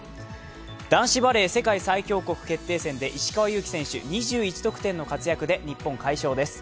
男子バレー世界最強国決定戦で石川祐希選手が２１得点の活躍で日本、快勝です。